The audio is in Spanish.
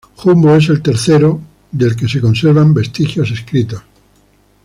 Jumbo es el tercero del que se conservan vestigios escritos.